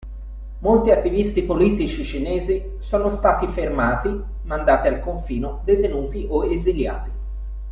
Molti attivisti politici cinesi sono stati fermati, mandati al confino, detenuti o esiliati.